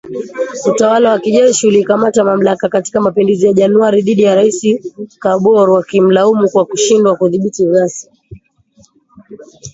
Utawala wa kijeshi ulikamata mamlaka katika mapinduzi ya Januari dhidi ya Rais Kabore wakimlaumu kwa kushindwa kudhibiti ghasia .